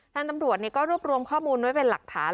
ทางตำรวจก็รวบรวมข้อมูลไว้เป็นหลักฐาน